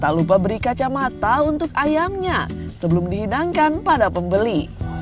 tak lupa beri kacamata untuk ayamnya sebelum dihidangkan pada pembeli